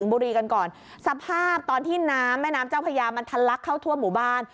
บุรีกันก่อนสภาพตอนที่น้ำแม่น้ำเจ้าพญามันทันลักเข้าทั่วหมู่บ้าน